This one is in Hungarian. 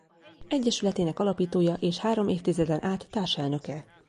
Egyesületének alapítója és három évtizeden át társelnöke.